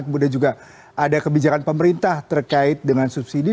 kemudian juga ada kebijakan pemerintah terkait dengan subsidi